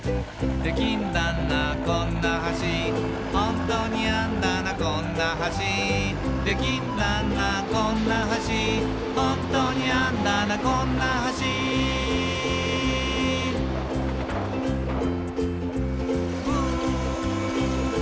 「できんだなこんな橋」「ホントにあんだなこんな橋」「できんだなこんな橋」「ホントにあんだなこんな橋」「ウー」